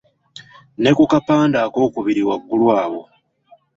Ne ku kapande akookubiri waggulu awo.